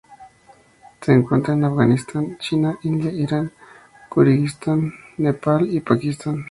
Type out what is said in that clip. Se encuentra en Afganistán, China, India, Irán, Kirguistán, Nepal y Pakistán.